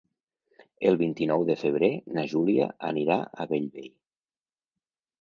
El vint-i-nou de febrer na Júlia anirà a Bellvei.